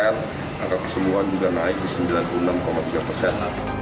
angka kesembuhan juga naik di sembilan puluh enam tiga persen